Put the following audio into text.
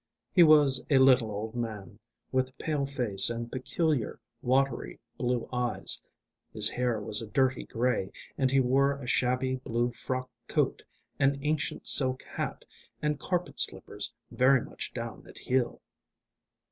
He was a little old man, with pale face and peculiar watery blue eyes; his hair was a dirty grey, and he wore a shabby blue frock coat, an ancient silk hat, and carpet slippers very much down at heel.